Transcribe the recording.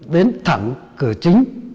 đến thẳng cửa chính